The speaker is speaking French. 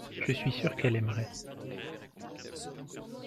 je suis sûr qu'elle aimerait.